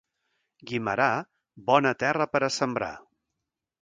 Guimerà, bona terra per a sembrar.